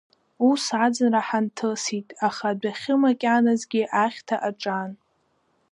Ус аӡынра ҳанҭысит, аха адәахьы макьаназгьы ахьҭа аҿан.